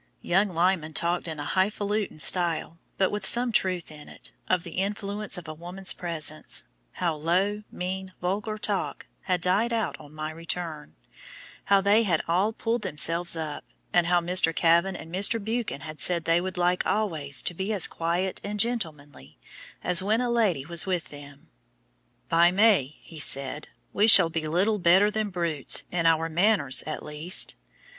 Young Lyman talked in a "hifalutin" style, but with some truth in it, of the influence of a woman's presence, how "low, mean, vulgar talk" had died out on my return, how they had "all pulled themselves up," and how Mr. Kavan and Mr. Buchan had said they would like always to be as quiet and gentlemanly as when a lady was with them. "By May," he said, "we shall be little better than brutes, in our manners at least."